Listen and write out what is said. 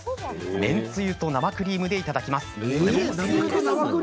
麺つゆと生クリームでいただきます。